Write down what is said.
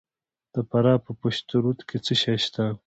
د فراه په پشت رود کې څه شی شته؟